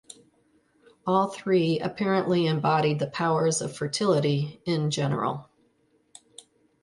All three apparently embodied the powers of fertility in general.